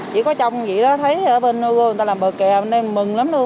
chỉ có trong vậy đó thấy ở bên nơi vô người ta làm bờ kè mình mừng lắm luôn